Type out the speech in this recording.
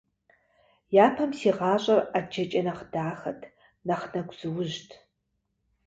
Япэм си гъащӀэр ІэджэкӀэ нэхъ дахэт, нэхъ нэгузыужьт